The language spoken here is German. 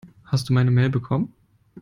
Hast du meine Mail bekommen?